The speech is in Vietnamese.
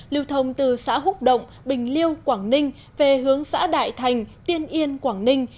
lưu thông từ xã húc động bình liêu quảng ninh về hướng xã đại thành tiên yên quảng ninh